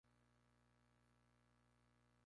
Era el primer campeonato de Reinoso como entrenador.